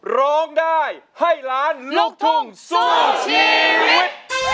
ร้องได้ให้ล้านลูกทุ่งสู้ชีวิต